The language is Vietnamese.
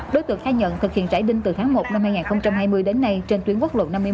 đối tượng khai nhận thực hiện trải đinh từ tháng một năm hai nghìn hai mươi đến nay trên tuyến quốc lộ năm mươi một